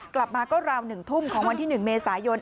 กลับมาก็ราว๑ทุ่มของวันที่๑เมษายน